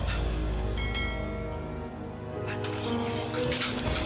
aku mau ke